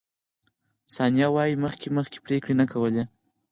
ثانیه وايي، مخکې مخکې پرېکړې نه کولې.